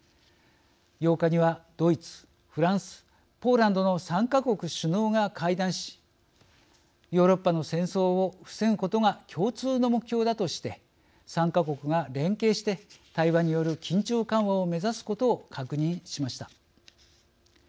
８日にはドイツ、フランスポーランドの３か国首脳が会談しヨーロッパの戦争を防ぐことが共通の目標だとして３か国が連携して対話による緊張緩和を目指すことを確認しました。